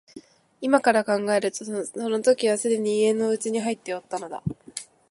今から考えるとその時はすでに家の内に入っておったのだ